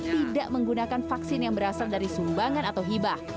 tidak menggunakan vaksin yang berasal dari sumbangan atau hibah